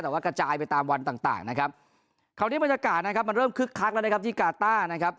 แต่ว่ากระจายไปตามวันต่างต่างนะครับคราวนี้บรรยากาศนะครับมันเริ่มคึกคักแล้วนะครับที่กาต้านะครับ